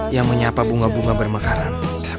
yang menyapa bunga bunga bermekaran